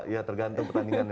ya tergantung pertandingannya